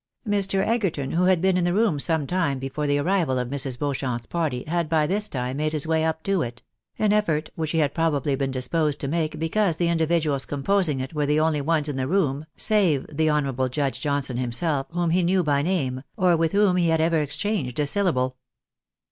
Mr. Egerton, who had been in the room somii time before the arrival of Mrs. Beauchamp's party, had by this time made his way up to it ; an effort which he had probably been disposed to make, •because the individuals composing it were the only ones in the room, save the honourable Judge Johnson himself, whom he knew by name, or with whom he had ever exchanged a syllable.